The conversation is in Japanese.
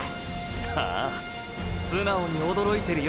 ああ素直に驚いてるよ！！